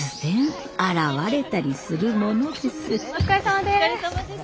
お疲れさまです。